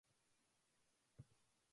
あまぷら